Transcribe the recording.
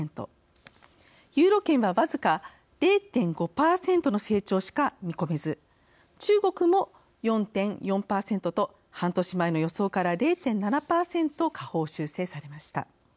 ユーロ圏は、僅か０．５％の成長しか見込めず中国も４．４％と半年前の予想から０．７％下方修正されました。